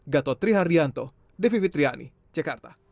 gatotri hardianto devivit triani jakarta